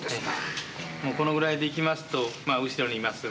もうこのぐらいでいきますとまあ後ろにいます